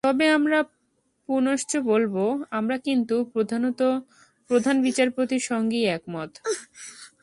তবে আমরা পুনশ্চ বলব, আমরা কিন্তু প্রধানত প্রধান বিচারপতির সঙ্গেই একমত।